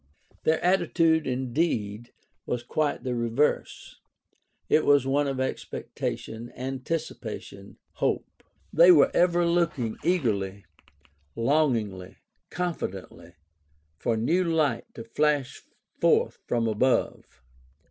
Their attitude, indeed, was quite the reverse; it was one of expecta tion, anticipation, hope. They were ever looking eagerly, 152 GUIDE TO STUDY OF CHRISTIAN RELIGION longingly, confidently, for new light to flash forth from above.